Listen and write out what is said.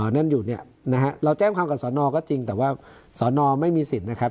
นั่นอยู่เนี่ยนะฮะเราแจ้งความกับสอนอก็จริงแต่ว่าสอนอไม่มีสิทธิ์นะครับ